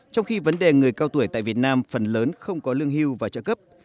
trong khi vấn đề người cao tuổi tại việt nam phần lớn không có lương hưu và trợ cấp